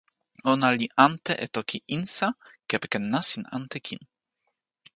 ona li ante e toki insa kepeken nasin ante kin.